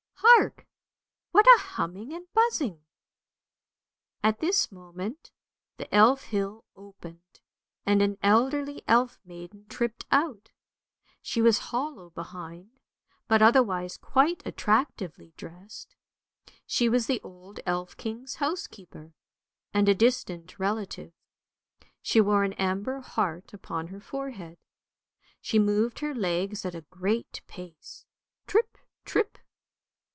Hark! what a humming and buzzing? " At this moment the Elf hill opened, and an elderly elf maiden tripped out. She was hollow behind, 1 but otherwise quite attractively dressed. She was the old elf king's house keeper, and a distant relative. She wore an amber heart upon her forehead. She moved her legs at a great pace, " trip, trip."